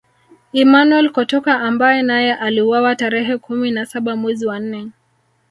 Emmanuel Kotoka ambaye naye aliuawa tarehe kumi na saba mwezi wa nne